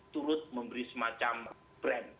terus memberi semacam brand